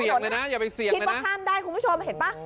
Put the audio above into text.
คิดว่าข้ามได้คุณผู้ชมเห็นไหม